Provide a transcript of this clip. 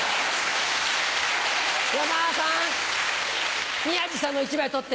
山田さん宮治さんの１枚取って。